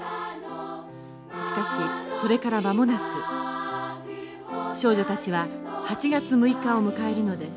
しかしそれから間もなく少女たちは８月６日を迎えるのです。